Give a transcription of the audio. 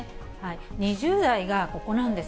２０代がここなんです。